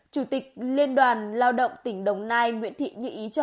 chủ tịch liên đoàn lao động tỉnh đồng nai nguyễn thị như ý cho